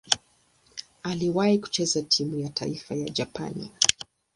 Aliwahi kucheza timu ya taifa ya Japani.